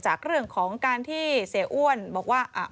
จากเรื่องของการที่เสียอ้วนบอกว่า